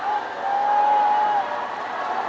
วัฒนิยาพุทธ